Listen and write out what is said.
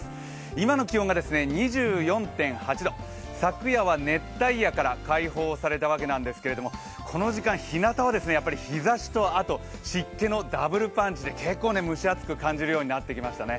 今の気温が２４．８度、昨夜は熱帯夜から解放されたわけなんですけれども、この時間、ひなたは日ざしと湿気のダブルパンチで結構蒸し暑く感じるようになってきましたね。